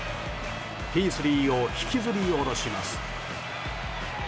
ヒースリーを引きずり降ろします。